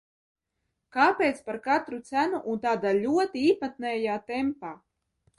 Kāpēc par katru cenu un tādā ļoti īpatnējā tempā?